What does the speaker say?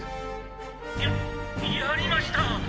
「ややりました。